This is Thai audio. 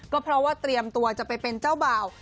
ก็เพราะว่าเตรียมตัวจะไปเป็นเจ้าบ่าว